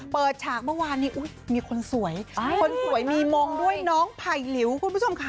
ฉากเมื่อวานนี้มีคนสวยคนสวยมีมงด้วยน้องไผ่หลิวคุณผู้ชมค่ะ